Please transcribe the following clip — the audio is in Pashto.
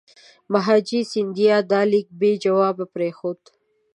مهاجي سیندیا دا لیک بې جوابه پرېښود.